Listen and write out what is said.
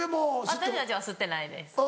私たちは吸ってないです。